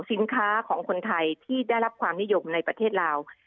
สินค้าของคนไทยที่ได้รับความนิยมในประเทศลาว